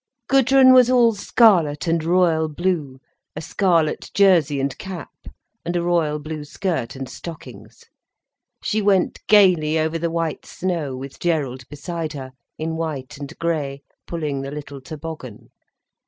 Gudrun was all scarlet and royal blue—a scarlet jersey and cap, and a royal blue skirt and stockings. She went gaily over the white snow, with Gerald beside her, in white and grey, pulling the little toboggan.